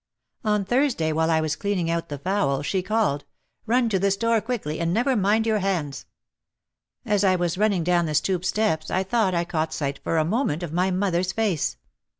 One Thursday, while I was cleaning out the fowl, she called: "Run to the store quickly and never mind your hands." As I was running down the stoop steps I thought I caught sight for a moment of my mother's face.